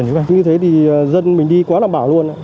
như thế thì dân mình đi quá đảm bảo luôn